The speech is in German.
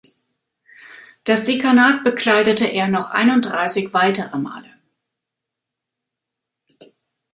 Das Dekanat bekleidete er noch einunddreißig weitere Male.